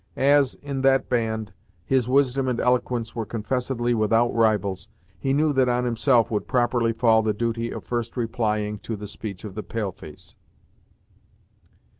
As, in that band, his wisdom and eloquence were confessedly without rivals, he knew that on himself would properly fall the duty of first replying to the speech of the pale face.